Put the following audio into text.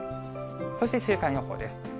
そして週間予報です。